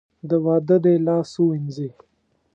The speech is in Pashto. د واده دې لاس ووېنځي .